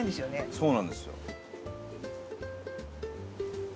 そうなんですよ。